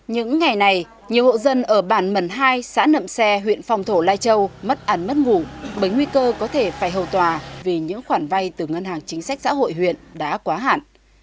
những ngày này nhiều hộ dân ở bản mần hai xã nậm xe huyện phong thổ lai châu mất ảnh mất ngủ bấy nguy cơ có thể phải hầu tòa vì những khoản vai từ ngân hàng chính sách xã hội huyện đã quá hạn